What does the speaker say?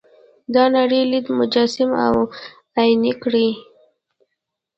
دا نړۍ لید مجسم او عیني کړي.